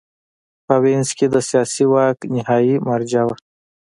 په وینز کې د سیاسي واک نهايي مرجع وه